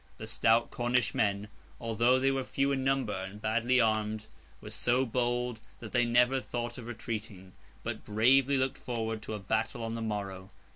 The stout Cornish men, although they were few in number, and badly armed, were so bold, that they never thought of retreating; but bravely looked forward to a battle on the morrow.